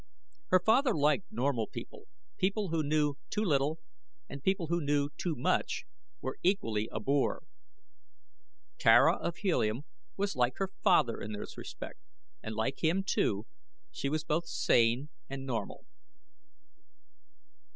Her father liked normal people people who knew too little and people who knew too much were equally a bore. Tara of Helium was like her father in this respect and like him, too, she was both sane and normal.